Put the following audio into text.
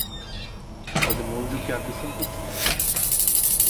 আপনাদের মনোযোগ কি আকর্ষণ করছি?